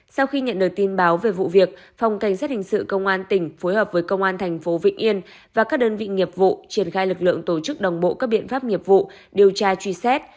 sau khi nhận được tin báo về vụ việc phòng cảnh sát hình sự công an tỉnh phối hợp với công an thành phố vịnh yên và các đơn vị nghiệp vụ triển khai lực lượng tổ chức đồng bộ các biện pháp nghiệp vụ điều tra truy xét